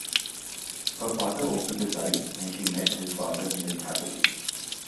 Her father opened his eyes and she met his father and lived happily.